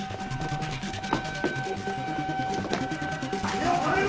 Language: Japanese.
手を止めろ！